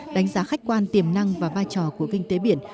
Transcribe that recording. đánh giá khách quan tiềm năng và vai trò của kinh tế biển